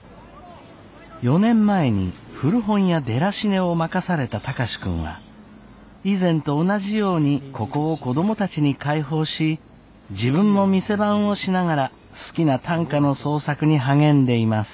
４年前に古本屋デラシネを任された貴司君は以前と同じようにここを子供たちに開放し自分も店番をしながら好きな短歌の創作に励んでいます。